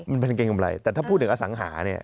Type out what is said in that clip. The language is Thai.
มันเป็นกางเกงกำไรแต่ถ้าพูดถึงอสังหาเนี่ย